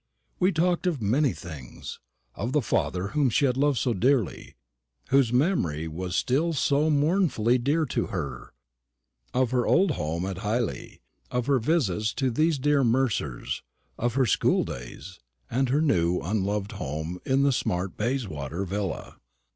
We talked of many things: of the father whom she had loved so dearly, whose memory was still so mournfully dear to her; of her old home at Hyley; of her visits to these dear Mercers; of her schooldays, and her new unloved home in the smart Bayswater villa.